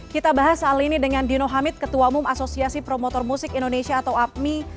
kita bahas hal ini dengan dino hamid ketua umum asosiasi promotor musik indonesia atau apmi